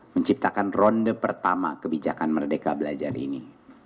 menciptakan ronde pertama kebijakan merdeka belajar ini